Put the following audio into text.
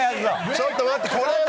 ちょっと待ってこれは。